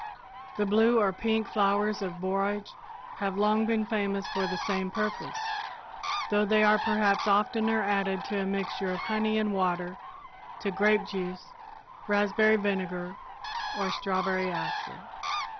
The blue or pink flowers of borage have long been famous for the same purpose, though they are perhaps oftener added to a mixture of honey and water, to grape juice, raspberry vinegar or strawberry acid.